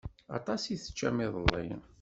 Aṭas i teččam iḍelli.